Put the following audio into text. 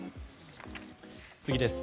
次です。